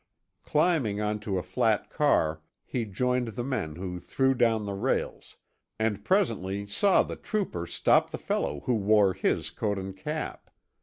Climbing on to a flat car, he joined the men who threw down the rails, and presently saw the trooper stop the fellow who wore his coat and cap.